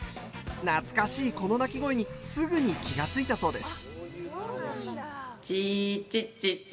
懐かしいこの鳴き声にすぐに気が付いたそうです。